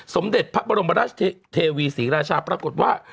สมเด็จพระบรมราชเทวีศรีราชาปรากฏว่า